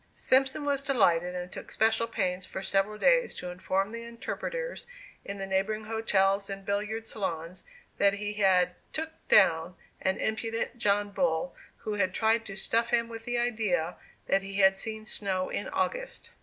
Simpson was delighted, and took special pains for several days to inform the interpreters in the neighboring hotels and billiard saloons, that he had "took down" an impudent John Bull, who had tried to stuff him with the idea that he had seen snow in August.